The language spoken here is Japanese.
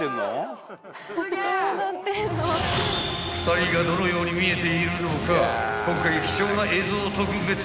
［２人がどのように見えているのか今回貴重な映像を特別公開］